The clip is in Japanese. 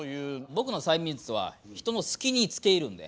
僕の催眠術は人の隙につけいるんで。